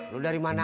lo dari mana